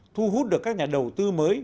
thu hút được các nhà đầu tư mới